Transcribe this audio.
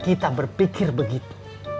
kita berpikir begitu